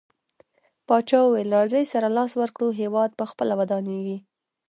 پاچاه وويل: راځٸ سره لاس ورکړو هيواد په خپله ودانيږي.